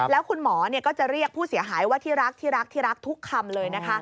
แล้วคุณหมอก็จะเรียกผู้เสียหายว่าที่รักที่รักที่รักทุกคำเลยนะคะ